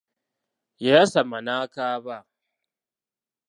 Yayasama n'akaaba.